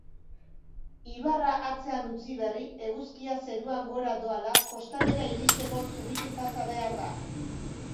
Ibarra atzean utzi berri, eguzkia zeruan gora doala, kostaldera iristeko zubitik pasa behar da.